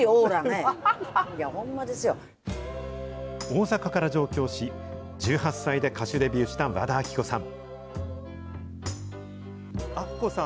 大阪から上京し、１８歳で歌手デビューした和田アキ子さん。